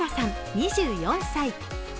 ２４歳。